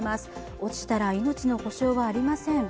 落ちたら命の保証はありません。